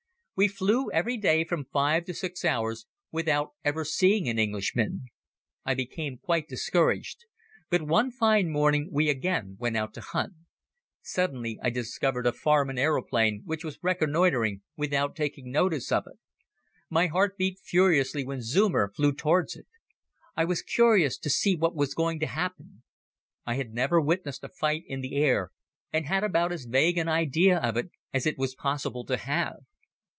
We flew every day from five to six hours without ever seeing an Englishman. I became quite discouraged, but one fine morning we again went out to hunt. Suddenly I discovered a Farman aeroplane which was reconnoitering without taking notice of us. My heart beat furiously when Zeumer flew towards it. I was curious to see what was going to happen. I had never witnessed a fight in the air and had about as vague an idea of it as it was possible to have.